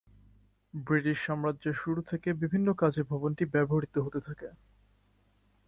British সাম্রাজ্যের শুরু থেকে বিভিন্ন কাজে ভবনটি ব্যবহৃত হতে থাকে।